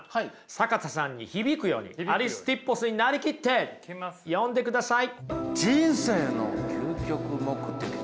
坂田さんに響くようにアリスティッポスに成りきって読んでください。